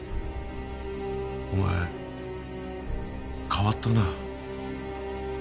お前変わったな。